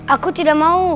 aku tidak mau